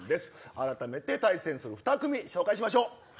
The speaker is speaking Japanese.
あらためて対戦する２組紹介しましょう。